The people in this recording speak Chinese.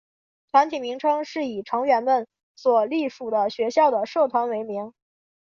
团体名称是以成员们所隶属的学校的社团为名。